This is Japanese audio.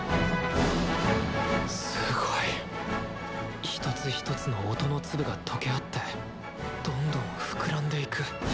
すごい！一つ一つの音の粒が溶け合ってどんどん膨らんでいく。